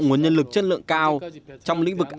nguồn nhân lực chất lượng cao trong lĩnh vực